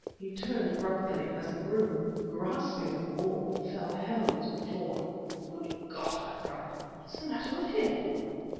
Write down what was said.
He turned abruptly ... as the groom, grasping at the wall, fell heavily to the floor. "Good God!" I cried "What's the matter with him?"